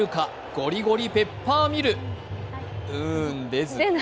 ゴリゴリ・ペッパーミルうん、出ず。